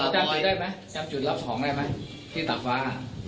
จ้างจุดรับของได้มั้ยที่ตากฟ้า